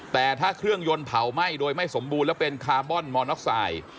แต่ถ้าเครื่องยนต์เผาไหม้โดยไม่สมบูรณ์แล้วเป็นคาร์บอนมอร์น็อกไซด์